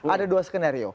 ada dua skenario